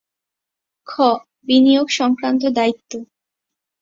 খ. বিনিয়োগসংক্রান্ত দায়িত্ব